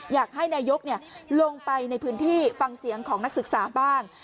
อยากให้นายกลงไปในพื้นที่ฟังเสียงของนักศึกษาบ้าง